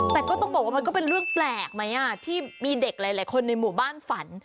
แต่ก็ต้องบอกว่ามันก็เป็นเรื่องแปลกไหมที่มีเด็กหลายคนในหมู่บ้านฝัน